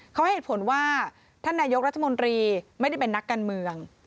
เขาให้เหตุผลว่าท่านนายกรัฐมนตรีไม่ได้เป็นนักการเมือง